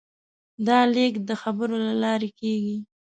دا لېږد د خبرو له لارې کېږي.